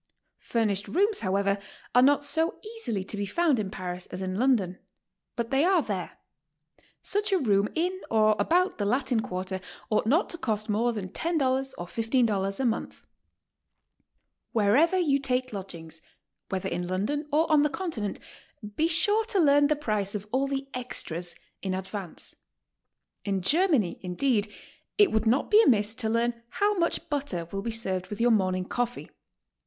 Furnished rooms, however, are not so easily to be found in Paris as in I.ondon, but they are there. Such a room in or about the Latin Quarter ought not to cost more than $10 or $15 a month. Wherever you take lodgings, wheth er in London or on the Continent, be sure to learn the price of all the ''extras" in advance. In Germany, indeed, it would not be amiss to learn how much butter will be served with your morning coffee.